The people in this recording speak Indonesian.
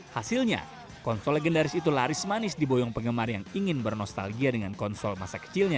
hasilnya konsol legendaris itu laris manis di boyong penggemar yang ingin bernostalgia dengan konsol masa kecilnya